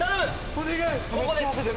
お願い！